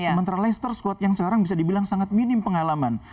sementara leicester squad yang sekarang bisa dibilang sangat minim pengalaman